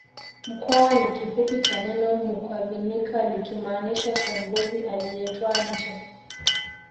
Mkwawa ni kifupi cha neno Mukwavinyika likimaanisha kiongozi aliyetwaa nchi